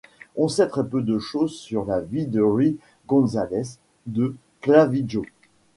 On sait très peu de choses sur la vie de Ruy Gonzales de Clavijo.